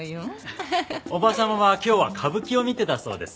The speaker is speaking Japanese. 叔母様は今日は歌舞伎を見てたそうです。